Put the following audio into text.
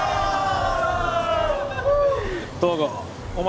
東郷お前